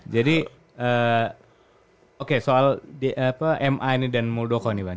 jadi oke soal ma ini dan muldoko nih bang